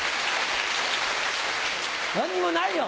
何もないよ！